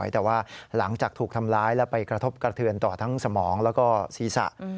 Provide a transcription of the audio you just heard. แต่ว่าหลังจากถูกทำร้ายแล้วไปกระทบกระเทือนต่อทั้งสมองแล้วก็ศีรษะ